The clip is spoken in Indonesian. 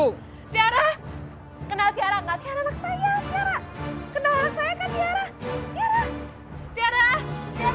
tiara kenal tiara gak tiara anak saya tiara